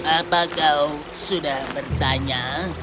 apa kau sudah bertanya